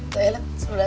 jadi pacar kamu lah